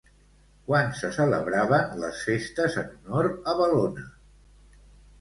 Quan se celebraven les festes en honor a Bel·lona?